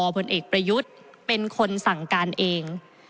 ผลเอกประยุทธ์เป็นคนสั่งการเอง